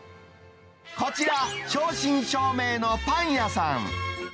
こちら、正真正銘のパン屋さん。